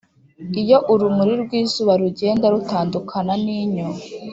iyo urumuri rw'izuba rugenda rutandukana n'inyo,